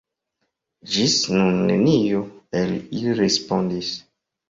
Ĝis nun neniu el ili respondis.